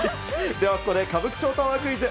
ではここで歌舞伎町タワークイズ。